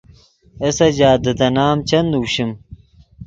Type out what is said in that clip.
اے سجاد دے تے نام چند نوشیم۔